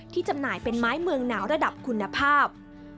จำหน่ายเป็นไม้เมืองหนาวระดับคุณภาพ